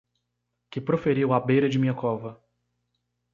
que proferiu à beira de minha cova